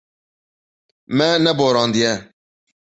Me neborandiye.